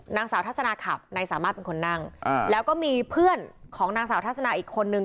นางสาวทัศนาขับนายสามารถเป็นคนนั่งแล้วก็มีเพื่อนของนางสาวทัศนาอีกคนนึง